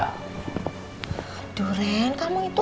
aduh ren kamu itu